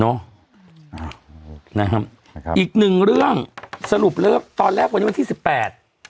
อ่านะครับอีกหนึ่งเรื่องสรุปแล้วตอนแรกวันนี้วันที่สิบแปด